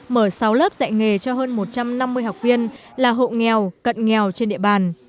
mở sáu lớp dạy nghề cho hơn một trăm năm mươi học viên là hộ nghèo cận nghèo trên địa bàn